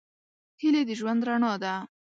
هیلې د ژوند رڼا ده.